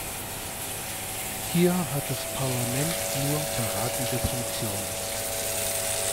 Hier hat das Parlament nur beratende Funktion.